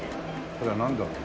これはなんだろう？